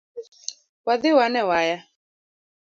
Wadhi wane waya